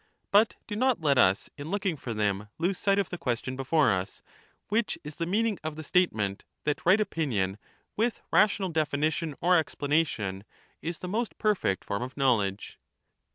But do not let us in looking for them lose sight of the question before us, which is the meaning of the statement, that right opinion with rational definition or explanation is the most perfect form of knowledge.